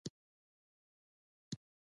منابع شتون لري